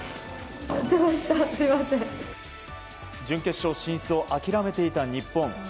準決勝進出を諦めていた日本。